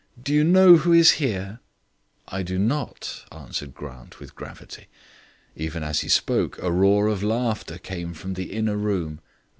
Do you know who is here?" "I do not," answered Grant, with gravity. Even as he spoke a roar of laughter came from the inner room.